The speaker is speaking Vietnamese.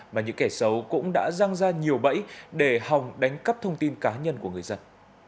mà những kẻ xấu cũng đã răng ra nhiều bẫy để hòng đánh cắp thông tin cá nhân của người dân